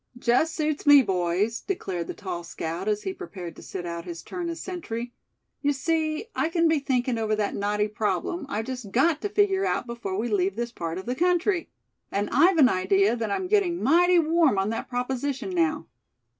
"Just suits me, boys!" declared the tall scout, as he prepared to sit out his turn as sentry; "you see, I can be thinking over that knotty problem I've just got to figure out before we leave this part of the country. And I've an idea that I'm getting mighty warm on that proposition now.